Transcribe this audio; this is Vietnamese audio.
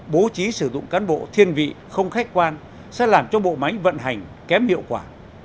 bố trí sử dụng cán bộ thiên vị không khách quan sẽ làm cho bộ máy vận hành kém hiệu quả